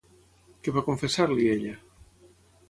Què va confessar-li ella?